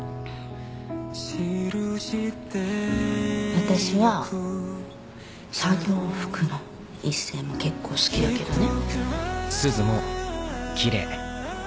私は作業服の一星も結構好きだけどね。